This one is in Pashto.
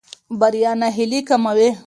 بریا ناهیلي کموي.